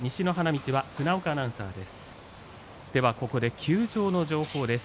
ここで休場の情報です。